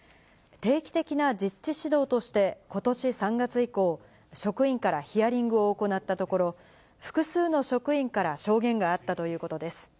定期的な実地指導としてことし３月以降、職員からヒアリングを行ったところ、複数の職員から証言があったということです。